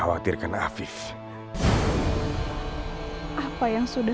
akudidik di sebelah mana dia